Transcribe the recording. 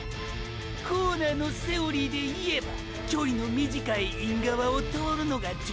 コーナーのセオリーでいえば距離の短いイン側を通るのが定石！！